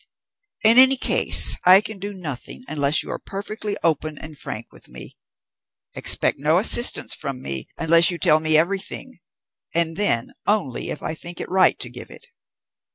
In any case I can do nothing unless you are perfectly open and frank with me. Expect no assistance from me unless you tell me everything, and then only if I think it right to give it."